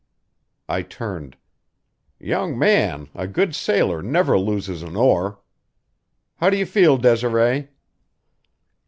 I turned. "Young man, a good sailor never loses an oar. How do you feel, Desiree?"